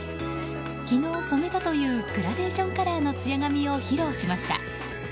昨日染めたというグラデーションカラーのつや髪を披露しました。